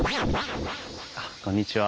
あっこんにちは。